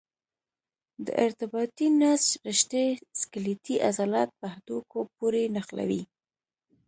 د ارتباطي نسج رشتې سکلیټي عضلات په هډوکو پورې نښلوي.